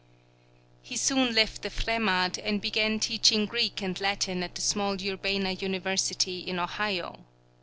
He soon left the Fremad and began teaching Greek and Latin at the small Urbana University, in Ohio.